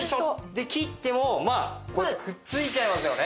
で切ってもまあこうやってくっついちゃいますよね。